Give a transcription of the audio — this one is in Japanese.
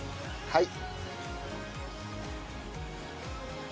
はい。